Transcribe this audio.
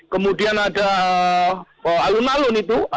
kemudian ada alun alun itu